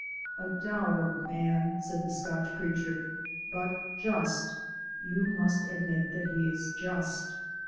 "A dour man," said the Scotch Preacher, "but just you must admit that he is just."